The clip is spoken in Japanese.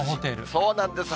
そうなんです。